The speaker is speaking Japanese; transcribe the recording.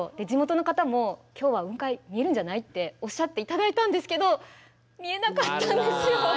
地元の方も今日は雲海見えるんじゃないっておっしゃって頂いたんですけど見えなかったんですよ。